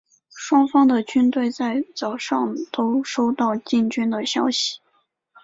双方的军队在早上都收到进军的消息。